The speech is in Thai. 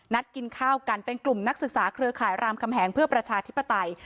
กินข้าวกันเป็นกลุ่มนักศึกษาเครือข่ายรามคำแหงเพื่อประชาธิปไตย